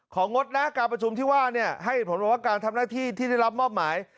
งดนะการประชุมที่ว่าเนี่ยให้เหตุผลบอกว่าการทำหน้าที่ที่ได้รับมอบหมาย